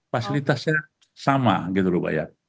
fasilitasnya sama gitu lupa ya